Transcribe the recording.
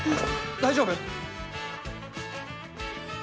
大丈夫？